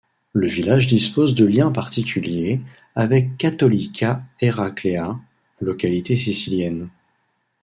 Le village dispose de liens particuliers avec Cattolica Eraclea, localité sicilienne.